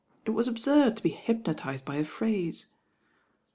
It was absurd to be hypnotised by a phrase.